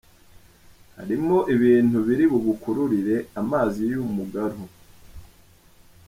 Harimo ibintu biri bugukururire amazi y’umugaru: